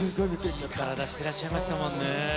いい体してらっしゃいましたもんね。